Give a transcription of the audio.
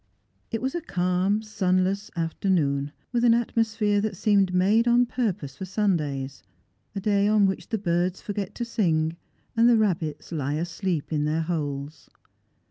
It was a calm sunless Strangers and Pilgrims. 281 afternoon, with an atmosj^liere that seems made on purpose for Sundays — a day on which the birds foi get to sinjT, and the rabbits lie asleep in their holes.